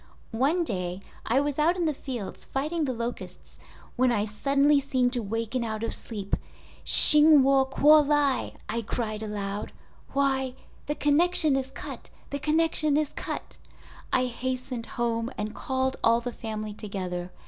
"One day I was out in the fields fighting the locusts when I suddenly seemed to waken out of sleep. "Hsing Wu kuo lai" I cried aloud—'Why! the connection is cut! The connection is cut!' I hastened home and called all the family together.